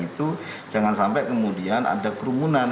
dan itu jangan sampai kemudian ada kerumunan